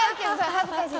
恥ずかしい。